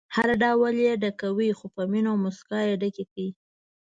هر ډول یې ډکوئ خو په مینه او موسکا ډکې کړئ.